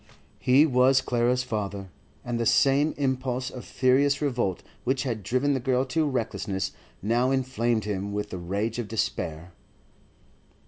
He was Clara's father, and the same impulse of furious revolt which had driven the girl to recklessness now inflamed him with the rage of despair.